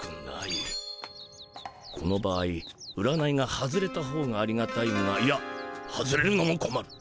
この場合占いが外れたほうがありがたいがいや外れるのもこまる。